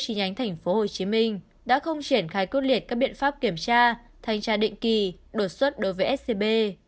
chi nhánh tp hcm đã không triển khai quyết liệt các biện pháp kiểm tra thanh tra định kỳ đột xuất đối với scb